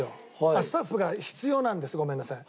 あっスタッフが必要なんですごめんなさい。